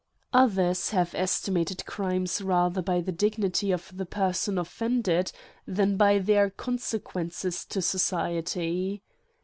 Others have estimated crimes rather by the dig nity of the person offended than by their conse quences to society.